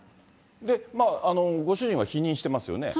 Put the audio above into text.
ご主人は否認してますよね。